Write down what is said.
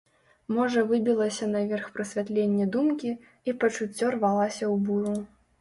Можа выбілася наверх прасвятленне думкі, і пачуццё рвалася ў буру.